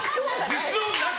実音なし！